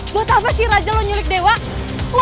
buat apa si raja lo nyurik dewa